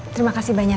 terima kasih banyak ya